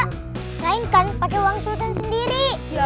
melainkan pake uang sultan sendiri